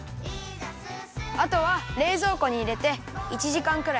あとはれいぞうこにいれて１じかんくらいかためるよ。